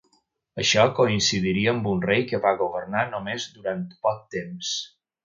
Això coincidiria amb un rei que va governar només durant poc temps.